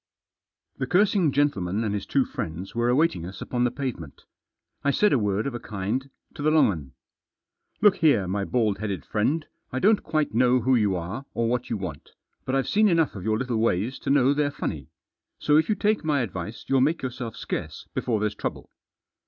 The cursing gentleman and his two friends were awaiting us upon the pavement. I said a word of a kind to the long 'un. " Look here, my bald headed friend, I don't quite know who you are, or what you want, but I've seen enough of your little ways to know they're funny ; so if you take my advice you'll make yourself scarce before there's trouble."